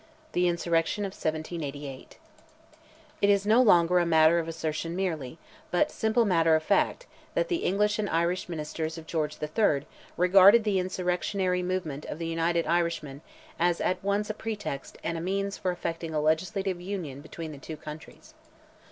THE INSURRECTION OF 1798. It is no longer matter of assertion merely, but simple matter of fact, that the English and Irish ministers of George III. regarded the insurrectionary movement of the United Irishmen as at once a pretext and a means for effecting a legislative union between the two countries.